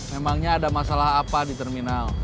memangnya ada masalah apa di terminal